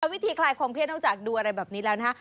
วิธีขลายของเพียรติญ่าวจากดูอะไรแบบนี้แล้วนะฮะ